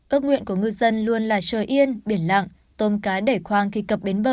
ước nguyện của ngư dân luôn là trời yên biển lặng tôm cá để khoang khi cập bến bờ